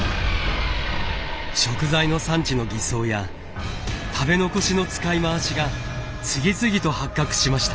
食材の産地の偽装や食べ残しの使い回しが次々と発覚しました。